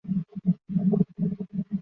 研究过数次日本国内地震事件。